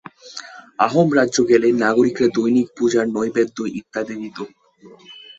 আহোম রাজ্য গেলে নাগরিকরা দৈনিক পূজার নৈবেদ্য ইত্যাদি দিত।